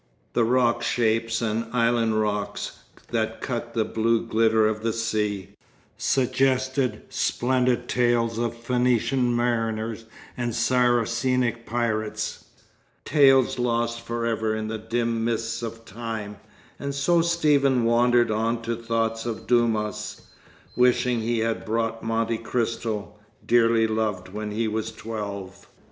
The rock shapes and island rocks that cut the blue glitter of the sea, suggested splendid tales of Phoenician mariners and Saracenic pirates, tales lost forever in the dim mists of time; and so Stephen wandered on to thoughts of Dumas, wishing he had brought "Monte Cristo," dearly loved when he was twelve.